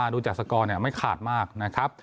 ดูจากสกอร์ไม่ขาดมากนะครับ